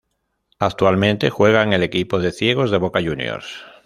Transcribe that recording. Actualmente juega en el equipo de ciegos de Boca Juniors.